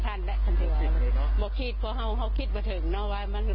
อย่างขอความสำคัญท้ายอยู่เนอะ